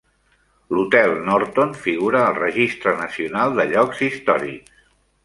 L'hotel Norton figura al Registre Nacional de Llocs Històrics.